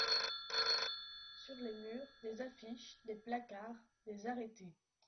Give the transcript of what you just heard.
Sur les murs, des affiches, des placards, des arrêtés.